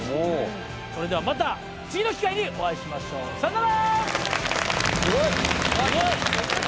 それではまた次の機会にお会いしましょうさよなら！